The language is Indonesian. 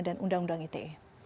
dan undang undang ite